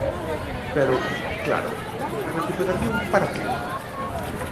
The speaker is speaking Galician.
Pero, claro, ¿recuperación para quen?